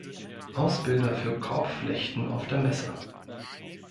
Ausbilder für Korbflechten auf der Messe